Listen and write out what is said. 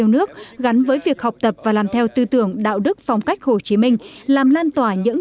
nước gắn với việc học tập và làm theo tư tưởng đạo đức phong cách hồ chí minh làm lan tỏa những